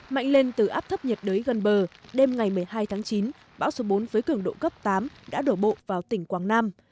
mạnh lên từ áp thấp nhiệt đới gần bờ đêm ngày một mươi hai tháng chín bão số bốn với cường độ cấp tám đã đổ bộ vào tỉnh quảng nam